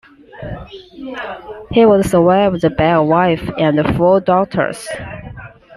He was survived by a wife and four daughters.